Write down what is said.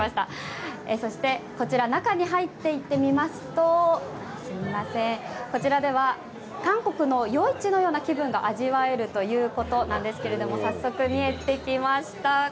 そして、こちら中に入って行ってみますとこちらでは、韓国の夜市のような気分が味わえるということですが早速見えてきました。